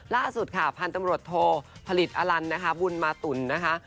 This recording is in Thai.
ล่าสุดค่ะพันธุ์ตำรวจโทผลิตอลันนะคะบุญมาตุ๋นนะคะ